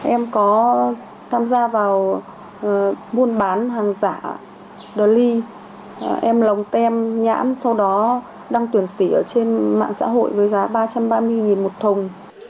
em có tham gia vào buôn bán hàng giả đơn ly em lồng tem nhãn sau đó đăng tuyển sỉ ở trên mạng xã hội với giá ba trăm ba mươi một thùng